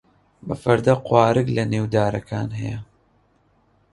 بە فەردە قوارگ لەنێو دارەکان هەیە.